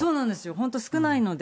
本当少ないので。